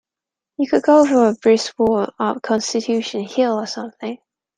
You could go for a brisk walk up Constitution Hill or something.